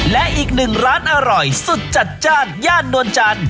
และอีกหนึ่งร้านอร่อยสุดจัดจ้านย่านนวลจันทร์